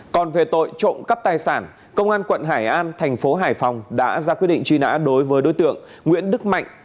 còn về tội trộm cắp tài sản công an quận hải an thành phố hải phòng đã ra quyết định truy nã đối với đối tượng nguyễn đức mạnh